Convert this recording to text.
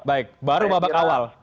baik baru babak awal